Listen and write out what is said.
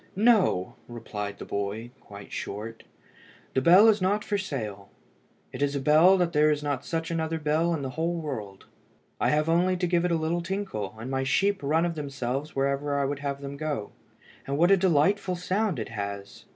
"No," replied the boy, quite short; "the bell is not for sale. It is a bell that there is not such another bell in the whole world. I have only to give it a little tinkle, and my sheep run of themselves wherever I would have them go. And what a delightful sound it has!